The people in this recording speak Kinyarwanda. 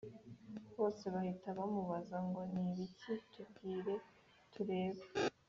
bose bahita bamubaza ngo ni ibiki tubwire turebe